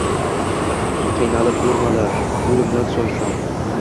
Qiynalib o‘rmalar — o‘limdan so‘ng ham